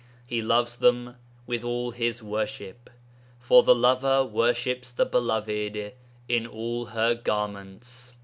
He loves them with all his worship, for the lover worships the Beloved in all Her garments....